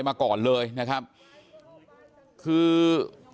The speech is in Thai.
ยายก็นั่งร้องไห้ลูบคลำลงศพตลอดเวลา